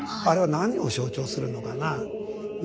あれは何を象徴するのかなあ。